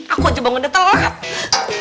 aku aja bangun telat